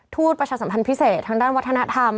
ประชาสัมพันธ์พิเศษทางด้านวัฒนธรรม